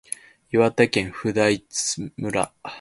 岩手県普代村